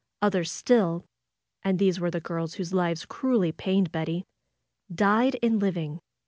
Others still (and these were the girls whose lives cruelly pained Betty) died in liv ing.